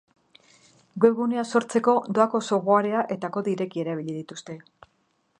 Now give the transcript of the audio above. Webgunea sortzeko doako softwarea eta kode irekia erabili dituzte.